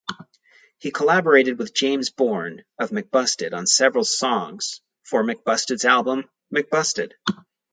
He collaborated with James Bourne of McBusted on several songs for McBusted's album "McBusted".